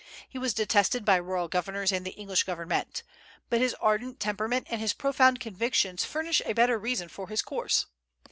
He was detested by royal governors and the English government. But his ardent temperament and his profound convictions furnish a better reason for his course.